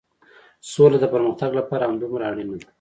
سوله د پرمختګ لپاره همدومره اړينه ده.